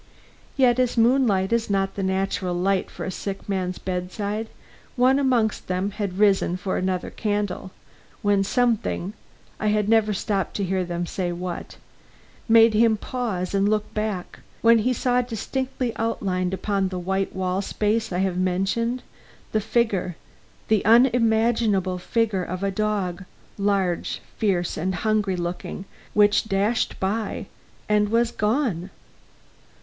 Yet as moonlight is not the natural light for a sick man's bedside, one amongst them had risen for another candle, when something I had never stopped to hear them say what made him pause and look back, when he saw distinctly outlined upon the white wall space I have mentioned, the figure the unimaginable figure of a dog, large, fierce and hungry looking, which dashed by and was gone.